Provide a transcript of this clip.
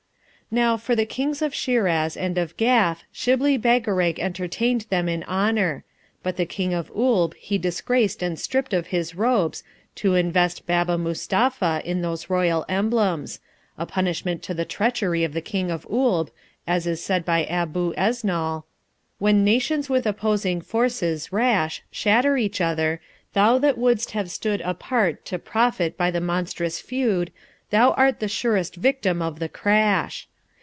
Now, for the Kings of Shiraz and of Gaf, Shibli Bagarag entertained them in honour; but the King of Oolb he disgraced and stripped of his robes, to invest Baba Mustapha in those royal emblems a punishment to the treachery of the King of Oolb, as is said by Aboo Eznol: When nations with opposing forces, rash, Shatter each other, thou that wouldst have stood Apart to profit by the monstrous feud, Thou art the surest victim of the crash.